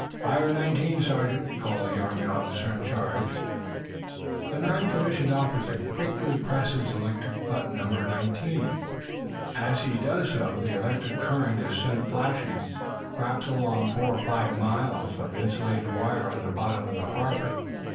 "Fire nineteen, Sergeant," calls the Army officer in charge. The non commissioned officer quickly presses electric button numbered nineteen. As he does so the electric current is sent flashing, perhaps along four or five miles of insulated wire on the bottom of the harbor.